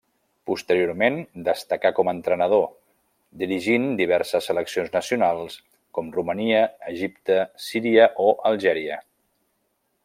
Posteriorment destacà com entrenador, dirigint diverses seleccions nacionals com Romania, Egipte, Síria o Algèria.